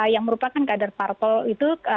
yang merupakan kader parpol itu